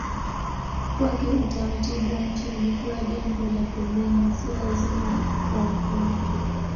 Kwake utaratibu wa nje ulikuwa jambo la pembeni, si lazima kwa wokovu.